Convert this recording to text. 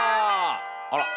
あら。